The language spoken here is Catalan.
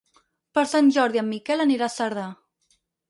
Per Sant Jordi en Miquel anirà a Cerdà.